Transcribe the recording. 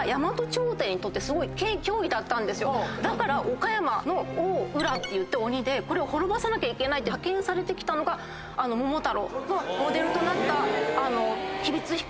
だから岡山の王温羅っていって鬼でこれを滅ぼさなきゃいけないって派遣されてきたのが桃太郎のモデルとなった吉備津彦なんですね。